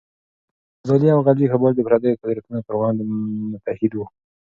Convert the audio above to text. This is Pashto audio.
ابدالي او غلجي قبایل د پرديو قدرتونو پر وړاندې متحد وو.